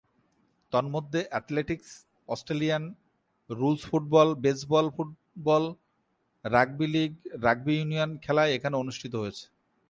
তন্মধ্যে athletics, Australian rules football, baseball, football, rugby league, rugby union খেলা এখানে অনুষ্ঠিত হয়েছে।